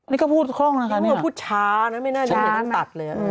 นี่ก็พูดข้องนะคะนี่แหละอืมพูดช้านะไม่น่าจะตัดเลย